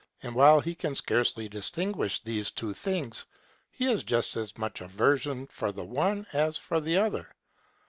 And while he can scarcely distinguish these two things, he has just as much aversion for the one as for the other.